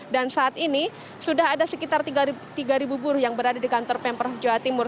dan saat ini sudah ada sekitar tiga ribu buruh yang berada di kantor pemper joha timur